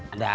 ada apa lu